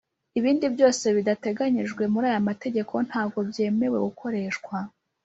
Ibindi byose bidateganyijwe muri aya mategeko ntago byemerewe gukoreshwa